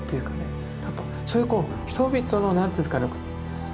やっぱそういうこう人々の何て言うんですかね